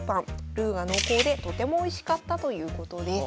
ルーが濃厚でとてもおいしかったということです。